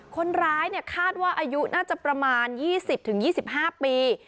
คนร้ายคาดว่าอายุน่าจะประมาณ๒๐๒๕ปี